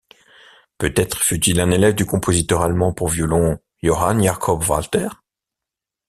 Peut-être fut-il un élève du compositeur allemand pour violon Johann Jakob Walther.